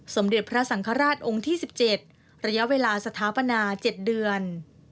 สมเด็จพระสังฆราชองค์ที่๑๗ระยะเวลาสถาปนา๗เดือน